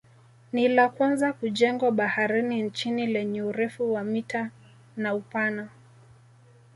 Ni la kwanza kujengwa baharini nchini lenye urefu wa mita na upana